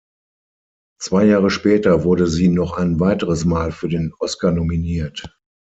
Zwei Jahre später wurde sie noch ein weiteres Mal für den Oscar nominiert.